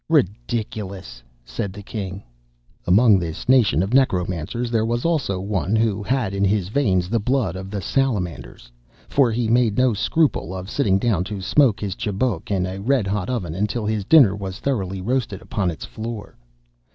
'" "Ridiculous!" said the king. "'Among this nation of necromancers there was also one who had in his veins the blood of the salamanders; for he made no scruple of sitting down to smoke his chibouc in a red hot oven until his dinner was thoroughly roasted upon its floor.